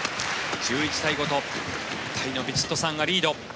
１１対５とタイのヴィチットサーンがリード。